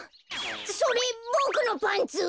それボクのパンツ！？